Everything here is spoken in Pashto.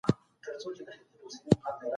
موږ حساب زده کوو.